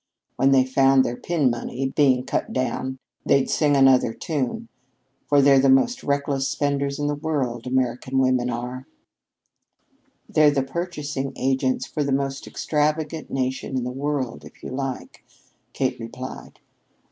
When they found their pin money being cut down, they'd sing another tune, for they're the most reckless spenders in the world, American women are." "They're the purchasing agents for the most extravagant nation in the world, if you like," Kate replied.